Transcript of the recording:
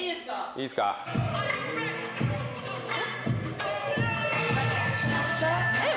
いいっすかえっ？